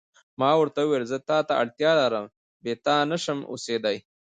ما ورته وویل: زه تا ته اړتیا لرم، بې تا نه شم اوسېدای.